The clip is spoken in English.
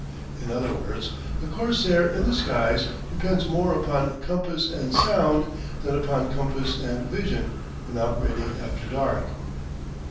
In other words, the corsair in the skies depends more upon compass and sound than upon compass and vision when operating after dark.